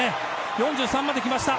４３まできました！